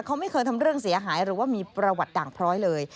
เขาไม่เคยทำเรื่องเสียหายหรือว่ามีประวัติด่างพร้อยเลย